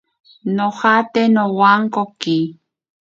Nojataje nowankoki.